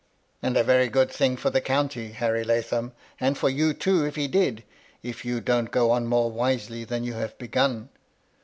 "And a very good thing for the county, Harry Lathom ; and for you too, if he did, — if you donH go on more wisely than you have begun.